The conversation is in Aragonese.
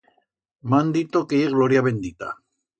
M'han dito que ye gloria bendita.